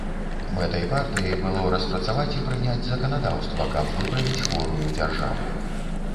Мэтай партыі было распрацаваць і прыняць заканадаўства, каб выправіць хворую дзяржаву.